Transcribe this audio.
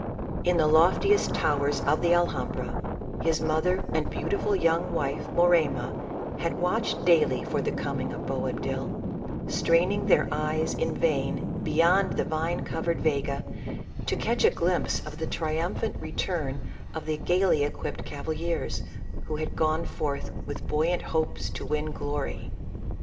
In the loftiest towers of the Alhambra, his mother and beautiful young wife Morayma had watched daily for the coming of Boabdil ; straining their eyes in vain beyond the vine covered Vega, to catch a glimpse of the triumphant return of the gaily equipped cavaliers, who had gone forth with buoyant hopes to win glory.